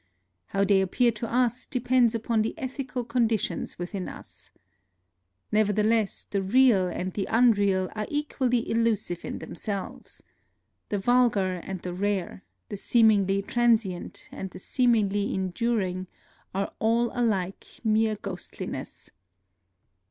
How they appear to us depends upon the ethical condi tions within us. Nevertheless, the real and the unreal are equally illusive in themselves. The vulgar and the rare, the seemingly tran sient and the seemingly enduring, are all NOTES OF A TRIP TO KYOTO 83 alike mere ghostliness.